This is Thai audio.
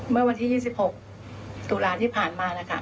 เมื่อวันที่๒๖ตุลาที่ผ่านมานะคะ